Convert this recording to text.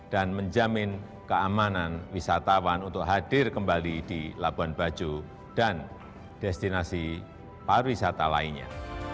menjamin keamanan wisatawan untuk hadir kembali di labuan bajo dan destinasi pariwisata lainnya